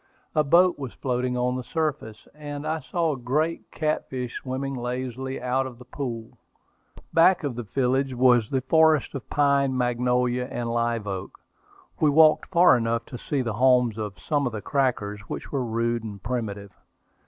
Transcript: A boat was floating on the surface, and I saw great catfish swimming lazily out of the pool. Back of the village was the forest of pine, magnolia, and live oak. We walked far enough to see the homes of some of the crackers, which were rude and primitive.